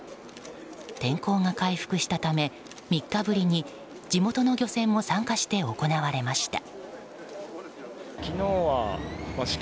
天候が回復したため、３日ぶりに地元の漁船も参加して行われました。